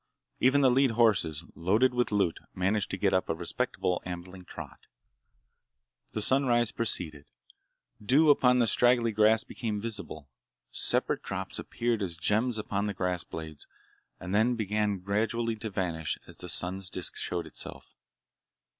Even the lead horses, loaded with loot, managed to get up to a respectable ambling trot. The sunrise proceeded. Dew upon the straggly grass became visible. Separate drops appeared as gems upon the grass blades, and then began gradually to vanish as the sun's disk showed itself.